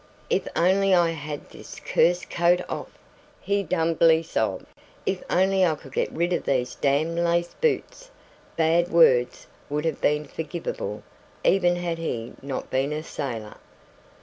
"If only I had this cursed coat off!" he dumbly sobbed. "If only I could get rid of these damned laced boots!" Bad words would have been forgivable even had he not been a sailor.